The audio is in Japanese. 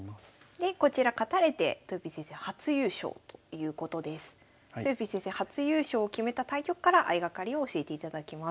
でこちら勝たれてとよぴー先生初優勝を決めた対局から相掛かりを教えていただきます。